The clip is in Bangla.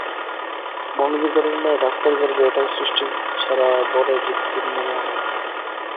বনেদি ঘরের মেয়ে ডাক্তারি করবে এটাও সৃষ্টিছাড়া বলে বৃদ্ধের মনে হল না।